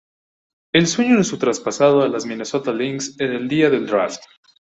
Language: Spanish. El sueño de su traspasado a las Minnesota Lynx en el día del draft.